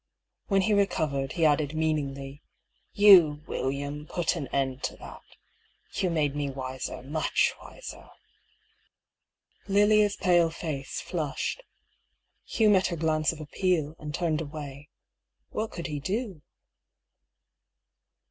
When he recovered, he added, meaningly :• "Yon, William, put an end to that.' You made me wiser, much wiser." Lilia's pale face flushed. Hugh met her glance of appeal, and turned away. What could he do